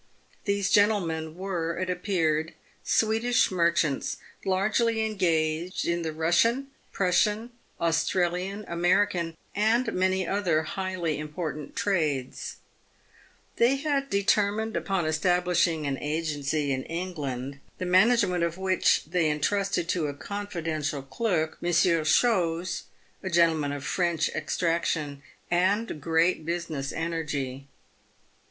These gentlemen were, it ap peared, Swedish merchants, largely engaged in the Eussian, Prussian, Australian, American, and many other highly important trades. They 240 PAVED WITH GOLD. had determined upon establishing an agency in England, the manage ment of which they entrusted to a confidential clerk, Monsieur Chose, a gentleman of French extraction and great business energy.